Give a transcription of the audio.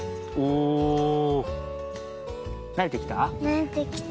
なれてきた？